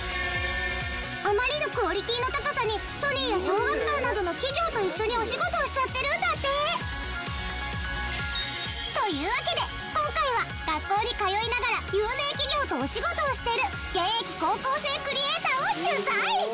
あまりのクオリティーの高さにソニーや小学館などの企業と一緒にお仕事をしちゃってるんだって！というわけで今回は学校に通いながら有名企業とお仕事をしてる現役高校生クリエイターを取材！